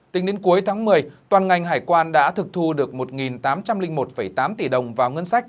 tính đến cuối tháng một mươi toàn ngành hải quan đã thực thu được một tám trăm linh một tám tỷ đồng vào ngân sách